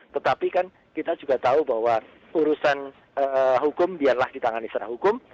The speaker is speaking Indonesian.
tetapi kan kita juga tahu bahwa urusan hukum biarlah di tangan istana hukum